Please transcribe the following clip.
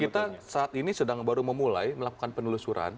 kita saat ini sedang baru memulai melakukan penelusuran